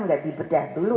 tidak diberdah dulu